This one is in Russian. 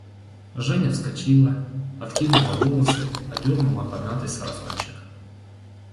Женя вскочила, откинула волосы, одернула помятый сарафанчик